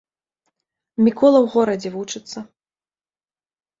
Мікола ў горадзе вучыцца.